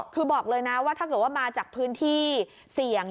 คือบอกเลยนะว่าถ้าเกิดว่ามาจากพื้นที่เสี่ยง